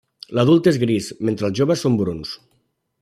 L'adult és gris, mentre els joves són bruns.